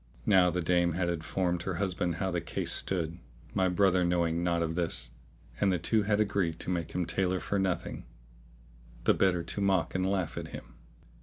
Now the dame had informed her husband how the case stood (my brother knowing naught of this); and the two had agreed to make him tailor for nothing, the better to mock and laugh at him.